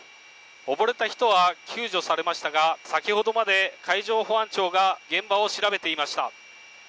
溺れた人は救助されましたが先ほどまで海上保安庁が現場を調べていました。